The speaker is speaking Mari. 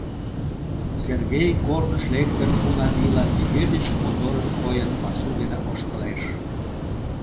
Сергей, корныш лектын, Унавийлан нигӧн деч моторын койын, пасу дене ошкылеш.